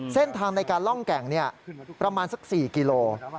เส้นทางในการล่องแก่งประมาณสัก๔กิโล